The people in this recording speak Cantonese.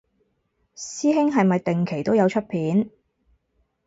師兄係咪定期都有出片